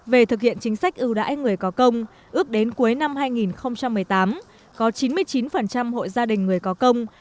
về thực hiện chính sách ưu đãi người có công ước đến cuối năm hai nghìn một mươi tám có chín mươi chín hộ gia đình người có công